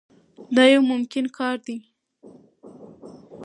دا یو ممکن کار دی.